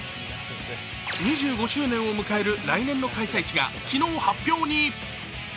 ２５周年を迎える来年の開催地が昨日、発表に。